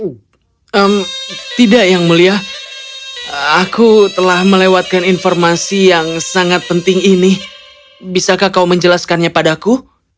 hmm tidak yang mulia aku telah melewatkan informasi yang sangat penting ini bisakah kau menjelaskannya padaku